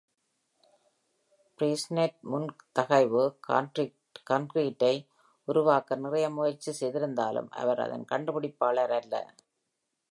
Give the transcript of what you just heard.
ப்ரீசினெட் முன்தகைவு கான்கிரீட்டை உருவாக்க நிறைய முயற்சி செய்திருந்தாலும், அவர் அதன் கண்டுபிடிப்பாளர் அல்ல.